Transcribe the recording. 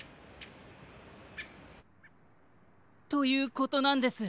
ということなんです。